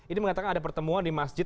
ini mengatakan ada pertemuan di masjid